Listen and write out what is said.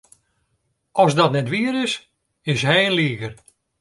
As dat net wier is, is hy in liger.